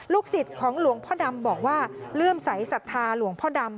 สิทธิ์ของหลวงพ่อดำบอกว่าเลื่อมใสสัทธาหลวงพ่อดำ